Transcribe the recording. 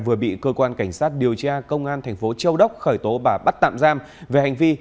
vừa bị cơ quan cảnh sát điều tra công an thành phố châu đốc khởi tố và bắt tạm giam về hành vi